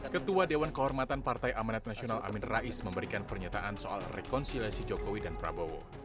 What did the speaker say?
ketua dewan kehormatan partai amanat nasional amin rais memberikan pernyataan soal rekonsiliasi jokowi dan prabowo